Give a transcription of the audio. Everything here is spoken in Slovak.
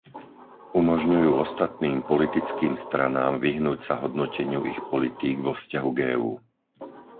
Umožňujú ostatným politickým stranám vyhnúť sa hodnoteniu ich politík vo vzťahu k EÚ.